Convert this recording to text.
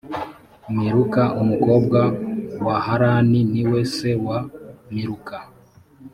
miluka umukobwa wa harani ni we se wa miluka